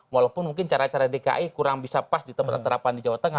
walaupun mungkin cara cara dki kurang bisa pas diterapkan terapan di jawa tengah